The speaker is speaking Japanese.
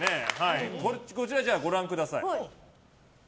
こちら、ご覧ください。